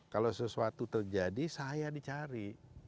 kalau sesuatu terjadi saya dicari